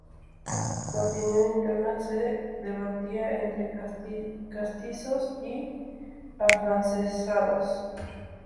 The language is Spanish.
La opinión interna se debatía entre castizos y afrancesados.